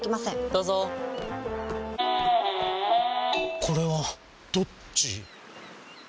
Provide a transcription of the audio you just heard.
どうぞこれはどっち？